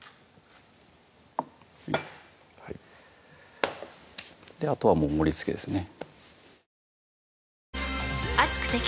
はいあとは盛りつけですね